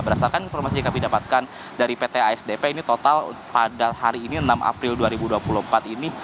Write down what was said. berdasarkan informasi yang kami dapatkan dari pt asdp ini total pada hari ini enam april dua ribu dua puluh empat ini